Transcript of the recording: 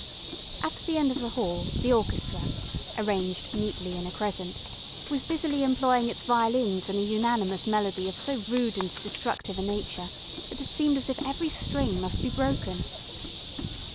At the end of the hall the orchestra, arranged neatly in a crescent, was busily employing its violins in a unanimous melody of so rude and destructive a nature that it seemed as if every string must be broken.